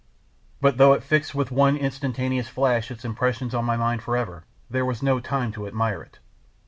But though it fixed with one instantaneous flash its impression on my mind forever, there was no time to admire it.